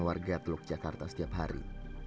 warga teluk jakarta setiap hari